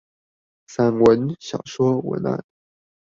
散文、小說、文案